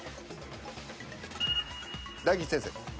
大吉先生。